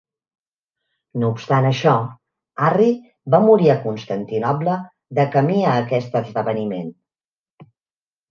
No obstant això, Arri va morir a Constantinoble de camí a aquest esdeveniment